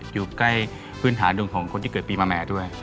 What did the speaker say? อยู่ใกล้พื้นฐานดวงของคนที่เกิดปีมาแม่ด้วย